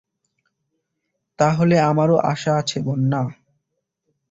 তা হলে আমারও আশা আছে বন্যা।